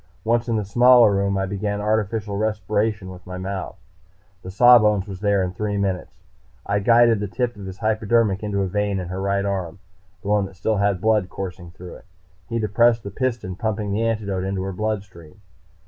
Once in the smaller room I began artificial respiration with my mouth. The sawbones was there in three minutes. I guided the tip of his hypodermic into a vein in her right arm, the one that still had blood coursing through it. He depressed the piston, pumping the antidote into her bloodstream.